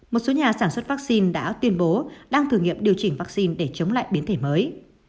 một số nhà sản xuất vaccine đã tuyên bố đang thử nghiệm điều chỉnh vaccine để chống lại biến thể mới